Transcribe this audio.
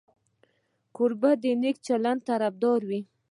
کوربه د نیک چلند طرفدار وي.